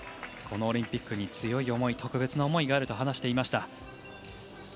このオリンピックに強い思い特別な思いがあると話していました。